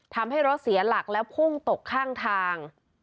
ทำให้รถเสียหลักแล้วพุ่งตกข้างทาง